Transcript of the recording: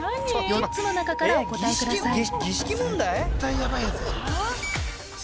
４つの中からお答えください